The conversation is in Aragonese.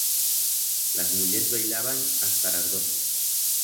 Las mullers veilaban hasta ras doce.